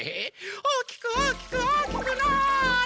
おおきくおおきくおおきくなあれ！